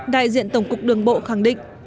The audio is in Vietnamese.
đại diện tổng cục đường bộ khẳng định